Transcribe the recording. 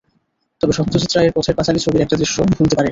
তবে সত্যজিৎ রায়ের পথের পাঁচালী ছবির একটা দৃশ্য ভুলতে পারি না।